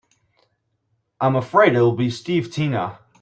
I'm afraid it'll be Steve Tina.